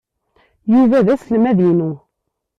Yuba d aselmad-inu.